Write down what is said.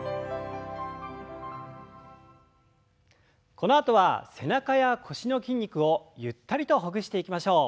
このあとは背中や腰の筋肉をゆったりとほぐしていきましょう。